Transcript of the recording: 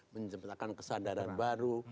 menciptakan kesadaran baru